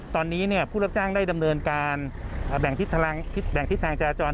ตอนนี้ผู้รับจ้างได้ดำเนินการแบ่งทิศทางจราจร